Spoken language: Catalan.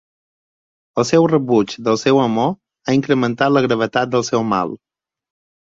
El seu rebuig del seu amor ha incrementat la gravetat del seu mal.